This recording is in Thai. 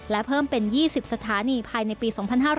และเพิ่มเป็น๒๐สถานีภายในปี๒๕๕๙